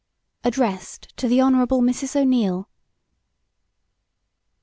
ADDRESSED TO THE HON. MRS O'NEILL.